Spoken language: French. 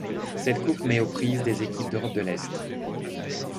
Cette coupe met aux prises des équipes d'Europe de l'Est.